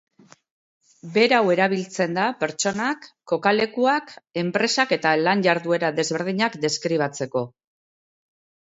Berau erabiltzen da pertsonak, kokalekuak, enpresak eta lan-jarduera desberdinak deskribatzeko.